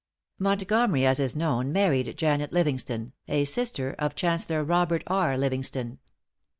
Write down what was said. Montgomery, as is known, married Janet Livingston, a sister of Chancellor Robert R. Livingston.